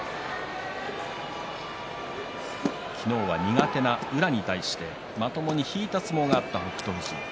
昨日は苦手な宇良に対してまともに引いた相撲がありました北勝富士。